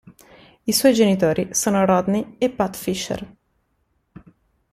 I suoi genitori sono Rodney e Pat Fisher.